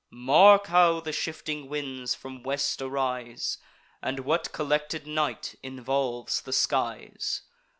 Mark how the shifting winds from west arise, And what collected night involves the skies!